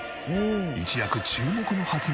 一躍注目の発明